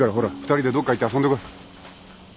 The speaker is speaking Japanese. ２人でどっか行って遊んでこい。